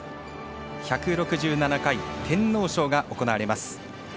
１６７回天皇賞が行われます。